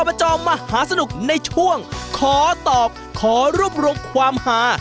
บจมหาสนุกในช่วงขอตอบขอรวบรวมความหา